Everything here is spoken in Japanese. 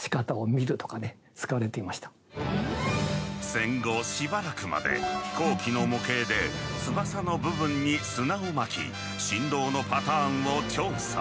戦後しばらくまで飛行機の模型で翼の部分に砂をまき振動のパターンを調査。